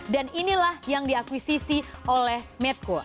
dan inilah yang diakuisisi oleh medco